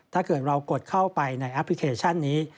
ถ้าเกิดเรากดเข้าไปในแอปพลิเคชันนี้